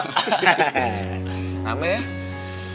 gak ada ya